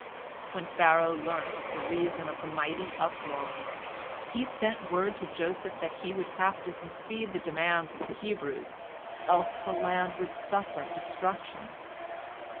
When Pharaoh learnt the reason of the mighty uproar, he sent word to Joseph that he would have to concede the demands of the Hebrews, else the land would suffer destruction.